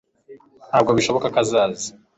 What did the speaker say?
Ntabwo bishoboka ko azaza